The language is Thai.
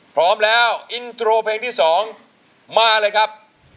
พร้อมแล้วอินโทรเพลงที่๒มาเลยครับ